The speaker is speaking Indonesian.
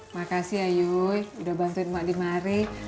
makasih ayuy udah bantuin mak dimari